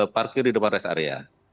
parkir di depan rest area